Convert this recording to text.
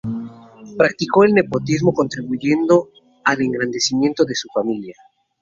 Practicó el nepotismo contribuyendo al engrandecimiento de su familia.